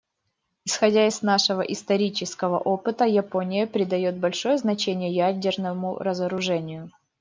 Исходя из нашего исторического опыта, Япония придает большое значение ядерному разоружению.